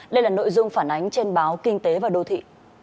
đây là nội dung phản ánh trên báo kinh tế và đô thị